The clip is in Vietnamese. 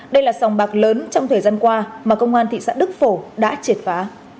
đây là sòng bạc lớn trong thời gian qua mà công an thị xã đức phổ đã triệt phá